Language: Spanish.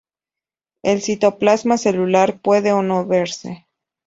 El Citoplasma celular puede, o no, verse.